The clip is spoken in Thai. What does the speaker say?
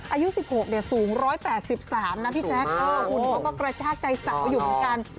อายุ๑๖เนี่ยสูง๑๘๓นะพี่แซคอ้ออีกแล้วก็กระชากใจเสาอยู่ด้วยกัน